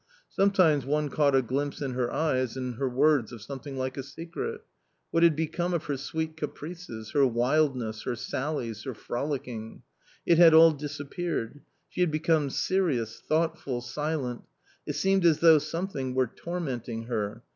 Sometimes one caught a glimpse in her eyes and her words of something like a secret. What had become of her sweet caprices, her wildness, her sallies, her frolick ing? It had all disappeared. She had become serious, thoughtful, silent. It seemed as though something were tormenting her.